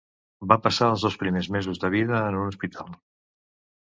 Va passar els dos primers mesos de vida en un hospital.